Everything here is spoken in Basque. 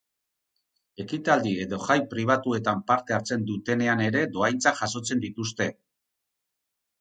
Ekitaldi edo jai pribatuetan parte hartzen dutenean ere dohaintzak jasotzen dituzte.